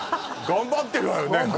頑張ってるわよね